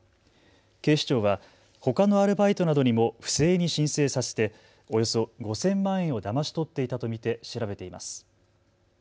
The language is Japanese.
警視庁はほかのアルバイトなどにも不正に申請させておよそ５０００万円をだまし取っていたと見て調べています。